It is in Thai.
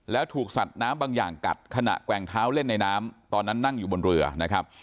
แล้วถูกสัตว์น้ำบางอย่างกัดขณะแกว่งเท้าเล่นในน้ำตอนนั้นนั่งอยู่บนเรือนะครับ